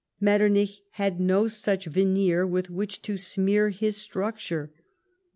Metternich had no such veneer with which to smear his structure.